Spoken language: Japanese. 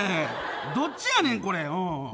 どっちやねん、これ！